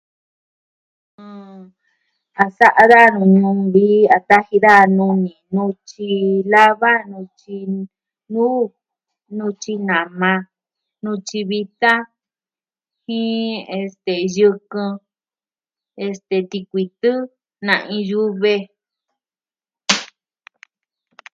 Mm.. a sa'a daa nu ñu'un vi a taji da nuni, nutyi lava, nutyi nuu nutyi nama, nutyi vita, jin, este, yɨkɨn, este tikuitɨ, na'in yuve.